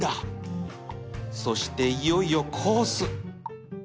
そしていよいよコース